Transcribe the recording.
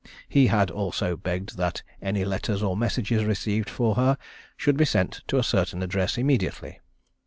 He had also begged that any letters or messages received for her should be sent to a certain address immediately.